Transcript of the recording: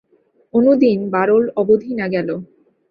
অনুদিন বাঢ়ল অবধি না গেল।